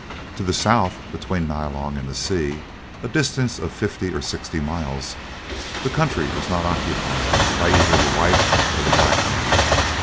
To the south, between Nyalong and the sea a distance of fifty or sixty miles the country was not occupied by either the white or the black men.